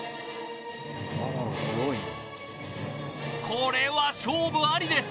これは勝負ありです